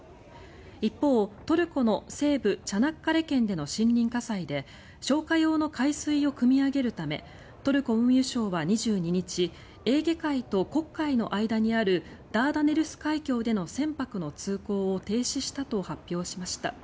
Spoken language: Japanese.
一方、トルコの西部チャナッカレ県での森林火災で消火用の海水をくみ上げるためトルコ運輸省は２２日エーゲ海と黒海の間にあるダーダネルス海峡での船舶の通航を停止したと発表しました。